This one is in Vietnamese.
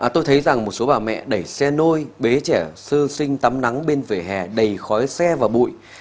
tôi thấy rằng một số bà mẹ đẩy xe nôi bé trẻ sơ sinh tắm nắng bên vỉa hè đầy khói xe và bụi